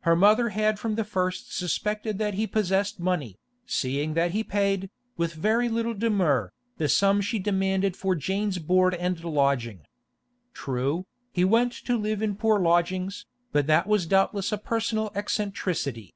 Her mother had from the first suspected that he possessed money, seeing that he paid, with very little demur, the sum she demanded for Jane's board and lodging. True, he went to live in poor lodgings, but that was doubtless a personal eccentricity.